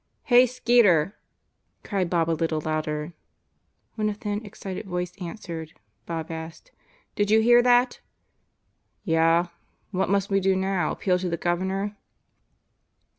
"Hey, Skeeter!" cried Bob a little louder. When a thin excited voice answered, Bob asked: "Did you hear that?" "Yeah! What must we do now: appeal to the Governor?"